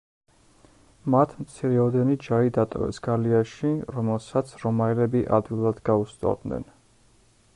მათ მცირეოდენი ჯარი დატოვეს გალიაში, რომელსაც რომაელები ადვილად გაუსწორდნენ.